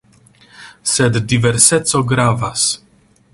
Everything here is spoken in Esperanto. Sed diverseco gravas.